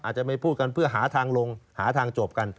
อาจจะไม่พูดกันเพื่อหาทางลงหาทางจบกัน